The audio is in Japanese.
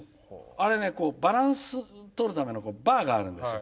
あれねこうバランスをとるためのバーがあるんですよ。